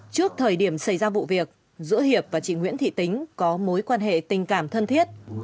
trước thời điểm xảy ra vụ việc giữa hiệp và chị nguyễn thị tính có mối quan hệ tình cảm thân thiết